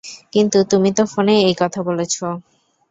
কিন্তু তুমি তো ফোনেই এই কথা বলেছো।